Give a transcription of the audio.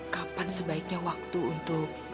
kapan sebaiknya waktu untuk